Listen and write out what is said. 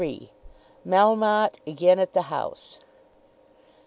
MELMOTTE AGAIN AT THE HOUSE.